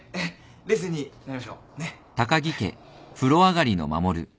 冷静になりましょうねっはい。